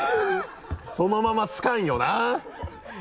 そのまま付かんよな国は。